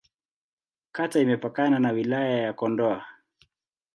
Kata imepakana na Wilaya ya Kondoa.